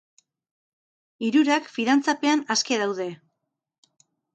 Hirurak fidantzapean aske daude.